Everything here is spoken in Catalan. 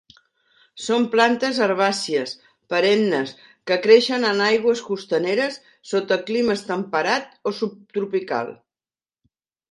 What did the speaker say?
Són plantes herbàcies perennes que creixen en aigües costaneres sota clima temperat o subtropical.